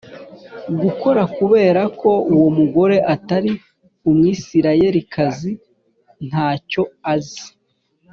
Gukora Kubera Ko Uwo Mugore Atari Umwisirayelikazi Nta Cyo Azi